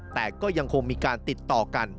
แต่ก็ยังคงมีการติดต่อกัน